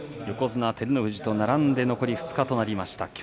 横綱照ノ富士と並んで残り２日となりました。